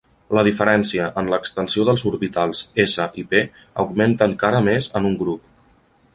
La diferència en l'extensió dels orbitals s i p augmenta encara més en un grup.